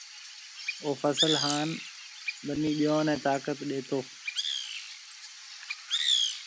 او فصل هانَ ٻنِي ٻئيون نَي طاقت ڏيتو۔